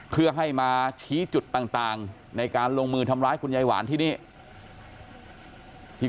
เพื่อให้มาชี้จุดต่างในการลงมือทำร้ายคุณยายหวานที่นี่